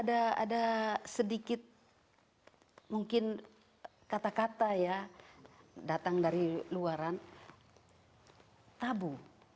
ada sedikit mungkin kata kata ya datang dari luaran tabu